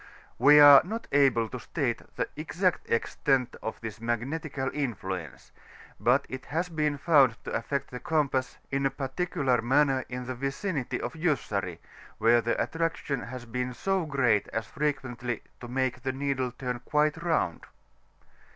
We are not able to state tne exact extent of this magnetical influence; but it has been found to afiect tiie compass in a particular manner in the vicinity of Jussari, where the attraction has been so creat as frequentiy to make the needle turn quite round.